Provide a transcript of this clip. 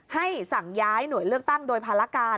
สั่งย้ายหน่วยเลือกตั้งโดยภารการ